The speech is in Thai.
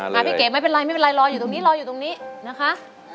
มาพี่เก๊ไม่เป็นไรรออยู่ตรงนี้รออยู่ตรงนี้นะคะ